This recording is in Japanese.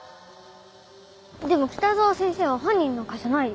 でも北澤先生は犯人なんかじゃないよ。